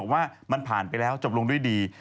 ว่ามันผ่านไปแล้วจบลงด้วยดี